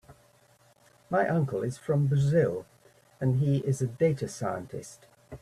My uncle is from Brazil and he is a data scientist.